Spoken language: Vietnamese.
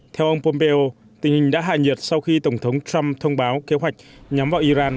theo ông pompeo tình hình đã hạ nhiệt sau khi tổng thống trump thông báo kế hoạch nhắm vào iran